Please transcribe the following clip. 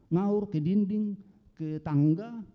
ngaur ke dinding ke tangga